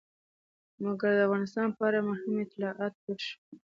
مګر د افغانستان په اړه مهم اطلاعات پټ شول.